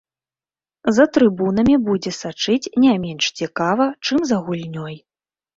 За трыбунамі будзе сачыць не менш цікава, чым за гульнёй.